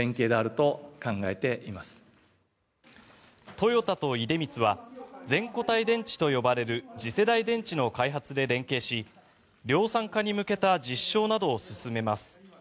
トヨタと出光は全固体電池と呼ばれる次世代電池の開発で連携し量産化に向けた実証などを進めます。